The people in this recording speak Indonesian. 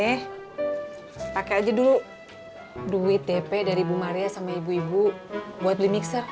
eh pakai aja dulu duit tp dari ibu maria sama ibu ibu buat beli mixer